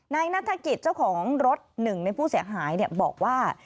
นายนาธกิจเจ้าของรถ๑ในผู้เสียหายบอกว่า